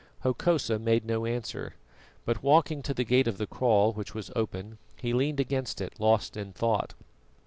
Hokosa made no answer, but walking to the gate of the kraal, which was open, he leaned against it lost in thought.